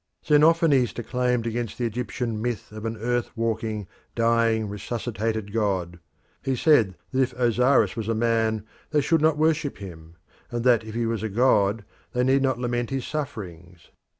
Xenophanes declaimed against the Egyptian myth of an earth walking, dying resuscitated god. He said that if Osiris was a man they should not worship him, and that if he was a god they need not lament his sufferings.